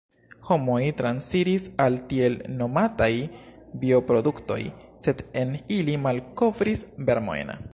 Homoj transiris al tiel nomataj bioproduktoj – sed en ili malkovris vermojn.